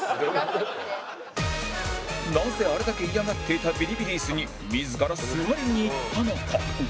なぜあれだけ嫌がっていたビリビリ椅子に自ら座りに行ったのか？